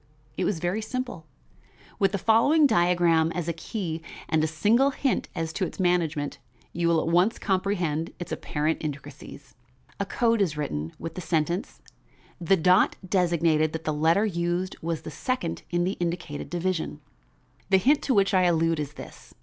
It was very simple. With the following diagram as a key and a single hint as to its management, you will at once comprehend its apparent intricacies: AB | CD | EF \ST/ ___|____|___ UV\/WX GH | IJ | KL /\___|____|___ /YZ\ MN | OP | QR The dot designated that the letter used was the second in the indicated division. The hint to which I allude is this.